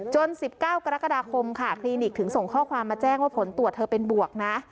๑๙กรกฎาคมค่ะคลินิกถึงส่งข้อความมาแจ้งว่าผลตรวจเธอเป็นบวกนะ